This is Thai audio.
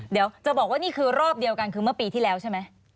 เดี๋ยวจะบอกว่านี่คือรอบเดียวกันคือเมื่อปีที่แล้วใช่ไหม